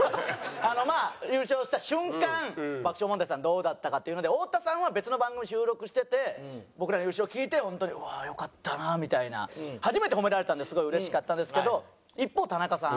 どうだったかっていうので太田さんは別の番組収録してて僕らの優勝聞いて本当に「うわあよかったな」みたいな。初めて褒められたのですごいうれしかったんですけど一方田中さん。